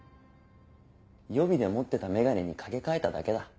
予備で持ってた眼鏡に掛け替えただけだ。